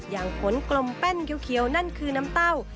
อย่างผลกลมแป้นเขียวนั่นคือน้ำเต้า